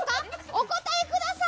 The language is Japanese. お答えください。